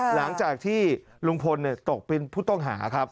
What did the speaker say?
หลังจากที่ลุงพลตกเป็นผู้ต้องหาครับ